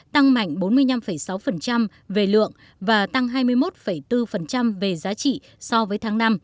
tăng mạnh bốn mươi năm sáu về lượng và tăng hai mươi một bốn về giá trị so với tháng năm